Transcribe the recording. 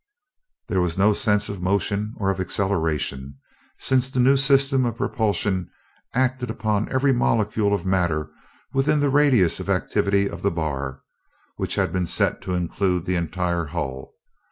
There was no sense of motion or of acceleration, since the new system of propulsion acted upon every molecule of matter within the radius of activity of the bar, which had been set to include the entire hull.